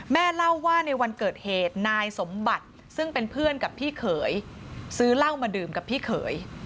เล่าว่าในวันเกิดเหตุนายสมบัติซึ่งเป็นเพื่อนกับพี่เขยซื้อเหล้ามาดื่มกับพี่เขย